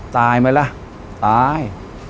ตายไหมล่ะตาย